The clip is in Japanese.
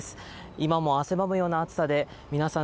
今も汗ばむような暑さで皆さん